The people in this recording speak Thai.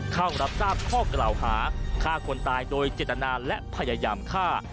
เข้ารับทราบข้อกล่าวหาฆ่าคนตายโดยเจตนาและพยายามฆ่า